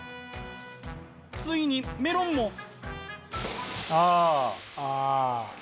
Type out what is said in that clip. ついにメロンも。